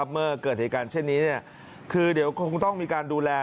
เมื่อเกิดเหตุการณ์เช่นนี้คือเดี๋ยวคงต้องมีการดูแล